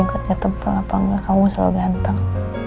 kamu aja yang kaya tebal apa engga kamu selalu ganteng